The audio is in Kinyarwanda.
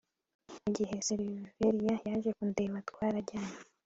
Mugihe reveriye yaje kundebatwarajyanye